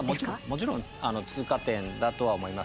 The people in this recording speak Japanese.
もちろん通過点だとは思います。